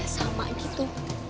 kerja sama gitu